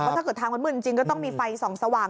ถ้าเกิดทางมันมืดจริงก็ต้องมีไฟส่องสว่าง